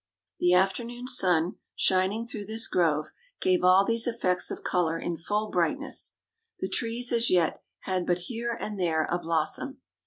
The afternoon sun, shining through this grove, gave all these effects of color in full brightness. The trees, as yet, had but here and there a blossom.